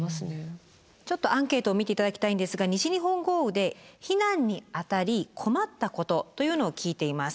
ちょっとアンケートを見て頂きたいんですが西日本豪雨で避難にあたり困ったことというのを聞いています。